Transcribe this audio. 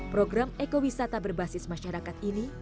program ekowisata berbasis masyarakat ini